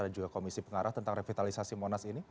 dan juga komisi pengarah tentang revitalisasi monas ini